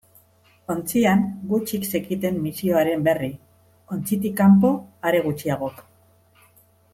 Ontzian gutxik zekiten misioaren berri, ontzitik kanpo are gutxiagok.